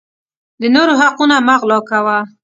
د نورو حقونه مه غلاء کوه